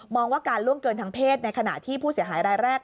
ว่าการล่วงเกินทางเพศในขณะที่ผู้เสียหายรายแรก